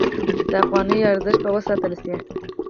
د افغانیو ارزښت به وساتل شي؟